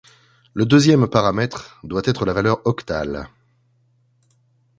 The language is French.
Le deuxième paramètre doit être la valeur octale.